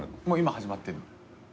もう今始まってんの。